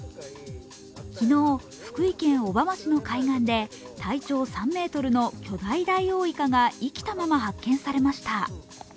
昨日、福井県小浜市の海岸で体長３ｍの巨大ダイオウイカが生きたまま発見されました。